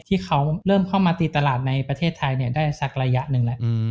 ที่เขาเริ่มเข้ามาตีตลาดในประเทศไทยได้สักระยะหนึ่งแล้ว